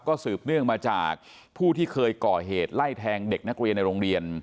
สืบเนื่องมาจากผู้ที่เคยก่อเหตุไล่แทงเด็กนักเรียนในโรงเรียน